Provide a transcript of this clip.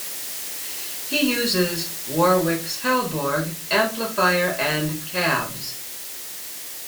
He uses Warwick's Hellborg amplifier and cabs.